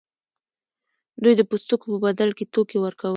دوی د پوستکو په بدل کې توکي ورکول.